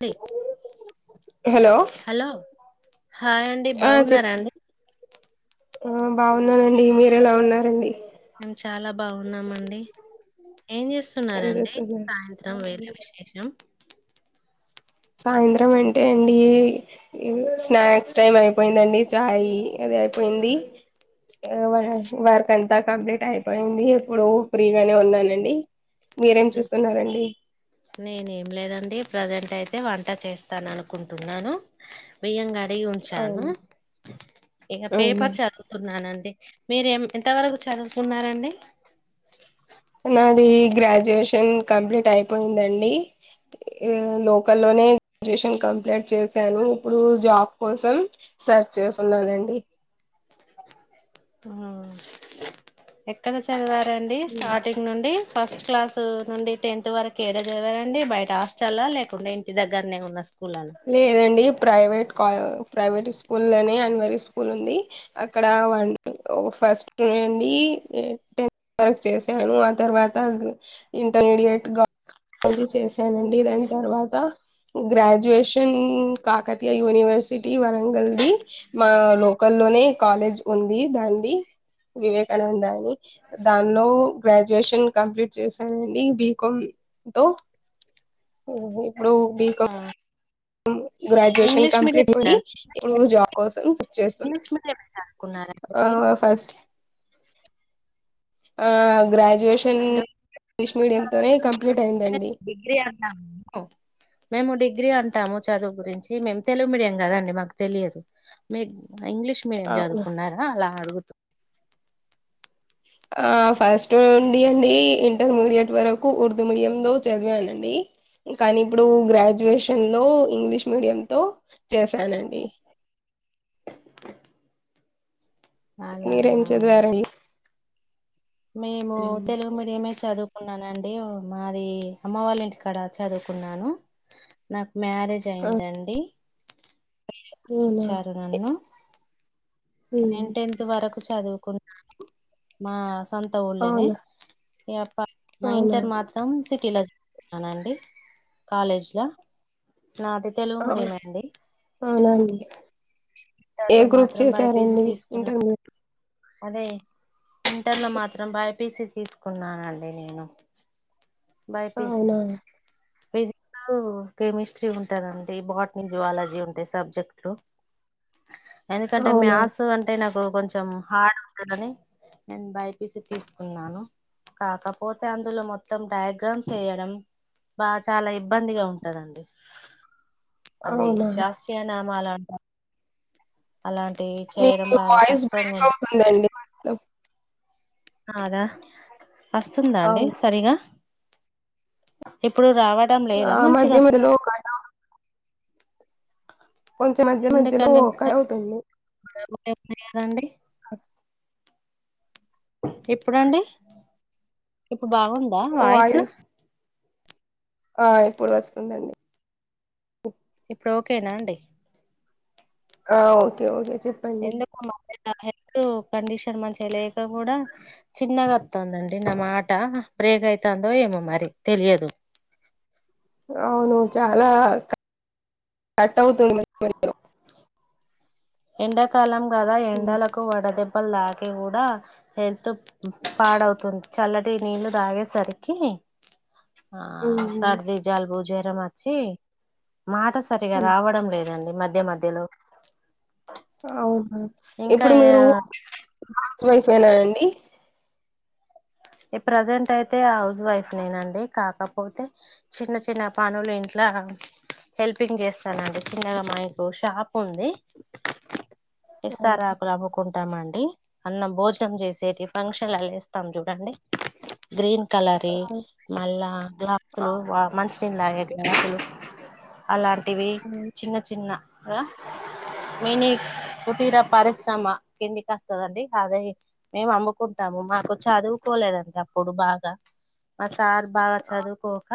తే hello hello hi అండి ఆ చెప్ బావున్నారా అండి? ఆ బావున్నానండి మీర ఎలా ఉన్నారండి? మేము చాలా బావున్నామండి. ఏం ఏం చేస్తున్నారండి చేస్తున్నారు సాయంత్రం వేరే విశేషం సాయంత్రం అంటే అండి ఇందు స్నాక్స్ టైమ్ అయిపోయిందండి. చాయ్ దే అయిపోయింది. ఇగ వర్షి వర్క్ అంతా కంప్లీట్ అయిపోయింది ఇప్పుడు ఫ్రీగానే ఉన్నానండి. మీరేం చేస్తున్నారండి? నేనే ఏం లేదండి ప్రజెంట్ అయితే వంట చేస్తాను అనుకుంటున్నాను. బియ్యం గా డేగి ఉంచాను అవునా ఇక అవునా పేపర్ చదువుతున్నానండి. మీరు ఎం ఎంత వరకు చదువుకున్నారండి? నాది గ్రాడ్యుయేషన్ కంప్లీట్ అయిపోయిందండి. ఇగ లోకల్ లోనే రేషన్ కంప్లీట్ చేశాను. ఇప్పుడు జాబ్ కోసం సెర్చ్ చేసు ఉన్నానండి. మ్ సరే ఆ ఎక్కడ చదివారండి స్టార్టింగ్ నుండి? ఫస్ట్ క్లాస్ నుండి, టెన్త్ వరకు ఏడ చదివారండి. బయట హాస్టల్ ఆ లేకుండే ఇంటి దగ్గరనే ఉన్న స్కూల్ లేదండి ప్రైవేట్ కావ్ ప్రైవేట్ స్కూల్ లోనే అన్వరి స్కూల్ ఉంది. అక్కడ ఒన్టు ఓ ఫస్ట్ నుండి టెన్త్ వరక్ చేశాను. ఆ తర్వాత ఇంటర్మీడియట్ గ చేశానండి దాని తర్వాత గ్రాడ్యుయేషన్ కాకతీయ యూనివర్సిటీ వరంగల్ది మా లోకల్ లోనే కాలేజ్ ఉంది. దన్ ది వివేకానంద అని దానిలో గ్రాడ్యుయేషన్ కంప్లీట్ చేశానండి. బికామ్ తో ఉహు ఇప్పుడు ఆ, బికామ్ గ్రాడ్యుయేషన్ ఇంగ్లీష్ కంప్లీట్ అయింది. మీడియం ఇప్పుడు జాబ్ కోసం సచ్ చేస్తున్నా. ఇంగ్లీష్ మీడియం చదువుకున్నారండి ఆ మీరు అ ఫస్ట్ ఆ గ్రాడ్యుయేషన్ ఇంగ్లీష్ మీడియం తోనే కంప్లీట్ అయిందండి డిగ్రీ అన్నాము మేము డిగ్ డిగ్రీ అంటాము చదువు గురించి మేము తెలుగు మీడియం కదండి మాకు తెలియదు. మీ ఇంగ్లీష్ మీడియం అవును చదువుకున్నారా అలా అడుగు ఆ ఫస్ట్ ఉండి అండి ఇంటర్మీడియట్ వరకు ఉర్దూ మీడియంలో చదివాను అండి కానీ ఇప్పుడు గ్రాడ్యుయేషన్ లో ఇంగ్లీష్ మీడియం తో చేసానండి. మీరెం అలానా చదివరండి? మేము తెలుగు మీడియం ఎ చదువుకున్నానండి మాది అమ్మ వాళ్ళ ఇంటికాడ చదువుకున్నాను నాకు మె మ్యారేజ్ ఆ అయిందండి [unintelligible] అవునా ఇచ్చారు నన్ను ఉమ్, నేన్ టెన్త్ వరకు చదువుకున్నాను మా సొంత ఉళ్ళనే అవునా ఎ ప మ అవునా ఇంటర్ మాత్రం సి కిల్లర్ ఆనండి కాలేజ్ లో నాది తెలుగు అవునా మీడియమే అండి అవునండి ఇంటర్ ఏ లో గ్రూప్ మాత్రం బైపీసీ చేసారండి తీసుకున్నా ఇంటర్ మీడియట్ అదే ఇంటర్లో మాత్రం బైపీసీ తీసుకున్నానండి నేను బైపీసీ అవునా ఫిజిక్స్ లో కెమిస్ట్రీ ఉంటాందండి బాటనీ జువాలజీ ఉంటాయి సబ్జెక్ట్లు ఎందుకంటే అవునా మ్యాత్స్ అంటే నాకు కొంచెం హార్డ్ ఉంటదాని నేన్ బైపీసీ తీసుకున్నాను కాకపోతే అందులో మొత్తం డయాగ్రామ్స్ వేయడం బా చాలా ఇబ్బందిగా ఉంటదండి అదే అవునా శాస్త్రీయ నామాలంట అలాంటివి మీ చేయడం బాగా వాయిస్ కష్టంగా బ్రేక్ ఉండ అవుతుందండి కొంచెం అదా వస్తుందా అండి అవును సరిగా ఇప్పుడు రావడం లేదా ఆ మధ్య మంచిగా మధ్యలో కట్ అవు కొంచెం మధ్య మధ్యలో ఎందుకండి కట్ అవుతుంది [unintelligible] ఇప్పుడండి ఇప్పుడు బాగుందా వాయిసు వాయిస్ ఆ ఇప్పుడు వస్తుందండి ఇప్పుడు ఓకేనా అండి ఆ ఓకే ఓకే చెప్పండి ఎందుకు [unintelligible] నా హెల్త్ కండిషన్ మంచిగా లేక కూడా చిన్నగా వత్తుదండి నా మాట బ్రేక్ అయితందో ఏమో మరి తెలియదు అవును చాలా కట్ కట్ అవుతుంది ఎండాకాలం కదా హ్మ్ ఎండలకు వడద దెబ్బలు తాకి కూడా హెల్త్ పాడవుతుంది చల్లటి నీళ్లు తాగేసరికి ఆ హ్మ్ సర్ది జలుబు జరం వచ్చి మాట సరిగా హ్మ్ రావడం లేదండి మధ్య మధ్యలో ఆ హ ఇంకా ఇప్పుడు మీరు హౌస్ వైఫ్ ఎ నా అండి ఈ ప్రజెంట్ అయితే హౌస్ వైఫ్ నేనండి కాకపోతే చిన్న చిన్న పనులు ఇంట్లో ఆ హెల్పింగ్ చేస్తానండి చిన్నగా మాయకు షాప్ ఉంది అవునా ఇస్తారాకులు అముకున్ మండి అన్నం భోజనం చేసేటి ఫంక్షన్ ల ఇస్తాం చూడండి గ్రీన్ కలరీ మళ్ళా గ్లాసులు మంచి థిన్ తాగేటివి గ్లాసులు అలాంటివి అవునా చిన్న చిన్నగా మీని కుటీర పరిశ్రమ కిందికి వస్తదండి అదే మేము అమ్ముకుంటాము మాకు చదు చదుకోలేదండి అప్పుడు బాగా మా సార్ బాగా చదువుకోక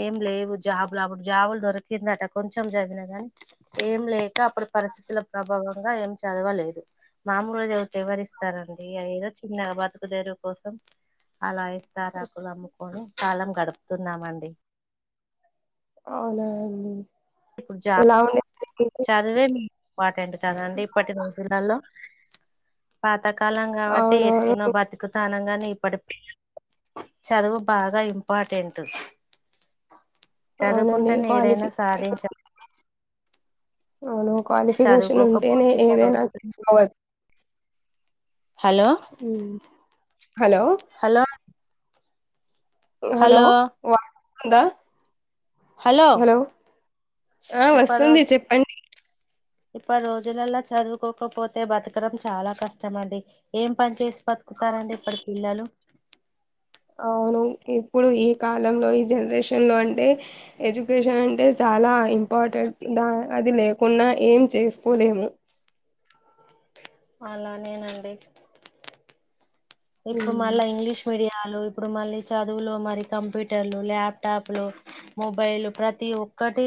ఏం లేవు జాబులు అప్పుడు జాబులు దొరికిందట కొంచెం చదివినా కాగానీ ఏం లేక అప్పుడు పరిస్థితుల ప్రభావంగా ఏం చదవలేదు మామూలుగా ఐతే ఎవరిస్తారండి అది ఏదో చిన్న న బతుకుదేరు కోసం ఆలా ఇస్తారాకులు అమ్ముకొని కాలం గడుపుతున్నామండి అవునా అండీ ఇప్పుడు జాబ్ చదివే ఇంపార్టెంట్ కదా అండి ఇప్పటి రోజు లల్లో పాతకాలం కాబట్టి ఎట్లనో అవునవును బతుకుతానంగాని చదువు బాగా ఇంపార్టెంట్ అవునండి చదువుకుంటేనే ఏదైనా క్వాలిఫి సాధించ అవును క్వాలిఫికేషన్ ఉంటేనే చదువుకోకపోతే ఇప్పటి ఏదైనా రోజుల్లో అవ్వదు హలో హలో హలో హలో వా వస్త్ హలో ఆ వస్తుంది చెప్పండి ఇప్పట్ రోజులలా చదువుకోకపోతే బతకడం చాలా కష్టమండి ఏం పని చేసి బతుకుతార అండి ఇప్పటి పిల్లలు అవును ఇప్పుడు ఈ కాలంలో ఈ జనరేషన్ లో అంటే ఎడ్యుకేషన్ అంటే చా లా ఇంపార్టెంట్ ద అది లేకుండా ఏం చేసుకోలేము అలానేనండి ఇప్పుడు మళ హ్మ్. ఇంగ్లీష్ మీడియం ఇప్పుడు మళ్ళీ చదువులో మరి కంప్యూటర్లు ల్యాప్టాప్లు మొబైల్ ప్రతి ఒక్క ఒకటి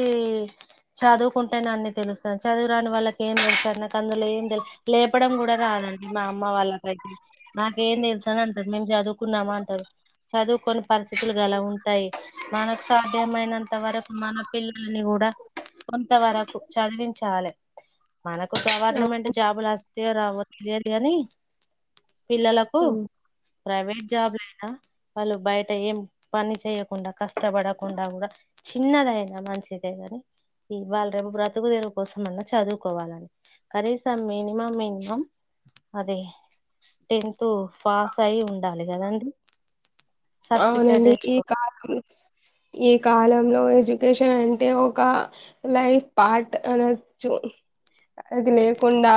చదువుకుంటేనె అన్ని తెలుస్తాద్ చదువు రాని వాళ్ళకి ఏం తెలుస్తారద్ నాకు అందులో ఏం తెలు లేపడం కూడా రా దండి మా అమ్మ వాళ్ళకైతే నాకేం తెలుసాని అంటారు మేము చదువుకున్నామా అంటారు చదువుకొని పరిస్థితులు గల ఉంటాయి మనకు సాధ్యమైనంత వరకు మన పిల్లల్ని కూ డా కొంత వరకు చదివించాలె మనకు గవర్నమెంట్ జాబులు వస్తాయో రావో తెలియదు కాని పిల్లలకు హ్మ్ ప్రైవేట్ జాబ్బులయిన వాళ్ళు బయట ఏం పని చేయకుండా కష్టపడకుండా గుడా చిన్నదైనా మంచిదే కానీ ఈ వాళ్ రేపు బ్రతుకుదేవురు కోసం అన్నా చదువుకోవాలండి కనీసం మినిమం మినిమం అది టెన్త్ పాస్ అయి ఉండాలి కదండి సర్టిఫికేట్ అవునండి ఈ తెచ్చుకో కాలం ఈ కాలంలో ఎడ్యుకేషన్ అంటే ఒక లైఫ్ పార్ట్ అనొచ్చు అది లేకుండా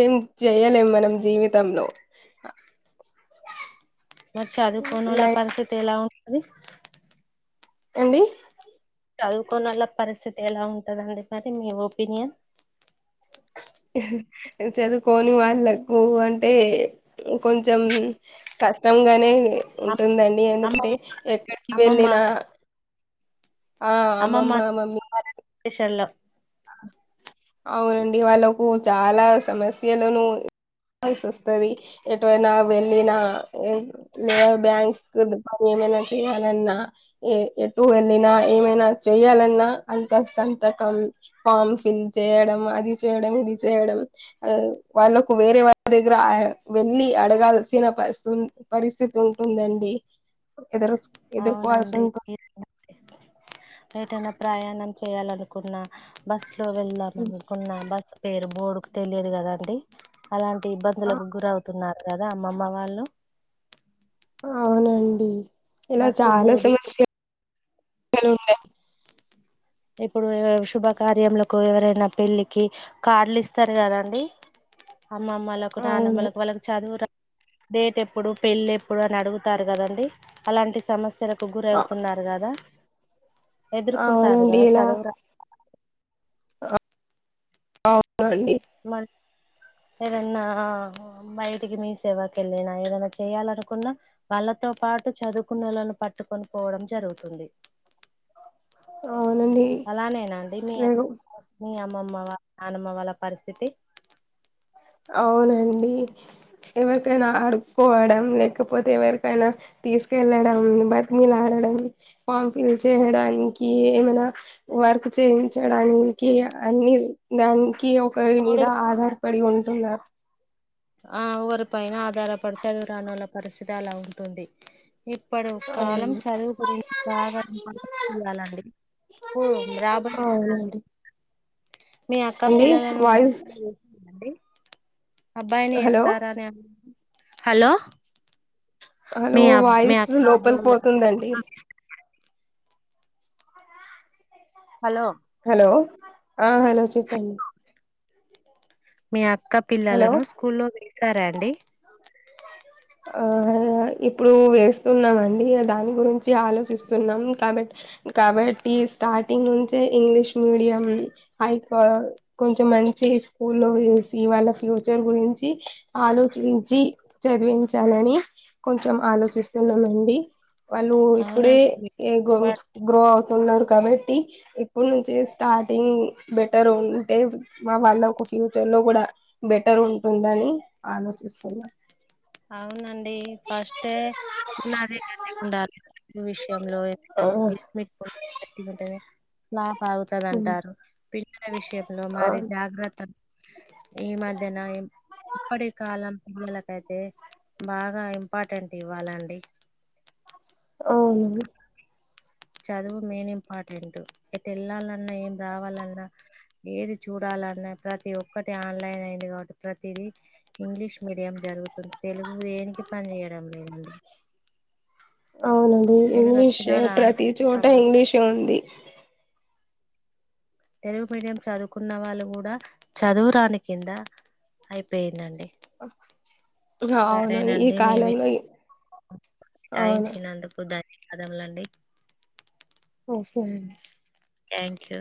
ఏం చెయలేం మనం జీవితంలో మరి చదువుకోనోళ్ల లైఫ్ పరిస్థితి ఎలా ఉంటది ఏందీ చదువుకోనోళ్ళ పరిస్థితి ఎలా ఉంటదండి మరి మీ ఒపీనియన్ చదువుకోని వాళ్ళకు అంటే కొంచెం క ష్టంగానే అమ్ ఉంటుందండి అమ్మమ్మ ఎందుకంటే ఎక్కడ్కి అమ్మమ్మ వెళ్ళిన ఆ అమ్మమ్మ అమమ్ షెల్ల అవునండి వాళ్ళకు చాలా సమస్యలను కాలసి వస్తది ఎటువైనా వెళ్ళినా లేదా బ్యాంక్ ఏమైనా చేయాలన్నా ఏ ఎటు వెళ్ళినా ఏమైనా చెయాలన్నా అంత సంతకం ఫామ్ ఫిల్ చేయడం అది చేయడం ఇది చేయడం అ వాళ్ళకు వేరే వాళ్ళ దగ్గర అయ్ వెళ్లి అడగల్ సిన పర్ సుస్ పరిస్థితి ఉంటుందండి ఎదురు ఎదుర్కోవాల్సి ఔనండి ఉంటుంది ఎట్ న ఎటనా ప్రయాణం చేయాలనుకున్న బస్ లో వెళ్ దామ్ కున్నమ్ బసు పేరు బోడు క్ తెల్ యద్ కద అండి అలాంటి ఇబ్బంద్ ఆ లకు గురవ్ తున్నారు కదా అమ్మమ్మ వాళ్ళు అవునండి ఇలా బస్సు చాలా బోర్డు సమస్య లుండే ఇప్పుడూ శుభకార్యాంలకు ఎవరైనా పెళ్ళికి కార్డులు ఇస్తరు కదాండి అమ్మమ్మలకు అవును నానమ్మలకు వాళ్ళకి చదువు రా డేట్ ఎప్పుడు పెళ్ళి ఎప్పుడని అడుగుతారు కదండి అలాంటి సమస్యల కు ఆ గురవ్ తున్నారు గదా ఎదురు కుంటారు అవునండి గదా చదువురా ఔనండి మన ఏదన్నా బయ్ టికి మీ సేవాకెళ్ళిన ఏదనా చేయాలనుకున్న వాళ్ళతో పాటు చదుకున్నోలను పట్టుకొన్ పోడం జరుగుతుంది అవునండి అలానేేనాండి మీ అత్ లేదు మీ అమ్ మ్మమ్మవ యనమ్మ వాళ్ళ పరిస్థితి ఔనండి ఎవర్ కైనా ఆ అడుకోవడం లేకపోతే యావర్ కైనా తీస్ కెళ్లడం భాత్ మీలాడ డమ్ పామ్ ఫిల్ చేయ్ డానికి ఏమనా వర్క్ చేయించడానికి ఆ అనీర్ దామ్ కి ఒకరి ఇప్పుడు మీద ఆధారపడి ఉంటుందా ఆ ఓర్ పైన ఆధారపడ్ చదురానోల పర్ సుతి అలా ఉంటుంది ఇపడు కాలం అవును చదుగురించి బాగా ఇయ్యలండి పో రాబై నాడు అవునండి మీ అక్క అండి పిల్లలను వాయిస్ ఉ ఏంటి అబ్బాయిని హలో ఇస్తారా అని హలో హలో మీ అబ్ మీ వాయిసు అక్క లోపల్ క్ అబ్బాయిల పోతుందండి హలో హలో ఆ హలో చెప్పండి మీ అక్క హలో పిల్లలను స్కూల్లో వేసార అండి ఇప్పుడూ ఎస్తున్నామండి దాన్ గురించి ఆలోచిస్తున్నాం కాబట్ కాబట్టి స్ టాటింగ్ నుంచే ఇంగ్లీష్ మీడియం ఐ కో కొంచమ్ మంచి ఇస్ కూల్ లో ఏ డ్ సి వాళ్ళ ఫ్యూచర్ గురించి ఆలోచించి చదివించ్ తనని కొంచమ్ ఆలోచిస్తున్నామండి వాళ్ళూ ఇప్పుడే అవునండి ఏగో గ్రో అవ్ తున్నారు కాబట్ ట్టి ఇప్ న్ నుంచే స్టార్టింగ్ బెటర్ ఉంటే మా వాళ్ళ ఒక ఫ్యూచర్ లో గూడ బెటరూంటుందని ఆలోచిస్తున్నా ఔనండ్ డీ పస్టే ఉన్నది గట్టిఉండాల్ విష్ యమ్ లో ఎంతట్ ఆ గీస్ మీ ఓ అట్టి గుంటదే నా పాగుత ఉమ్ దంటారు పిల్ పిల్లల విషయంలో ఆ మరి జాగ్ రత ఈ మధ్యనా ఇప్పటి కాలం పిల్లలకైతే బాగా ఇంపాటెంట్ ఇవ్వాలండి ఔననీ చదువు మేన్ ఇంపాటెంటు ఎటెళ్లాలన్నా ఏం రావాలన్నా ఏది చూడాలన్నా ప్రతి ఒక్కటి ఆన్ లైన్ అయింకాబట్ ప్రతీది ఇంగ్లీష్ మీడియం జరుగు తెలుగు దేనికి పన్ జేయడం లేదన్ దండి ఔనండి వచ్చినా ఇంగ్లీషే రాని ప్రతి చోట ఇంగ్లీషే ఉంది తెలుగ్ మీడియం చదుకున్న వాళ్ళు గుడా చదువ్ రాని కింద అయిపెందండి అ హ్ ఔను ఈ కాలంలో ఈ టాయించినందుకు ధన్యవాదములండి సరెండీ థ్యాంక్యూ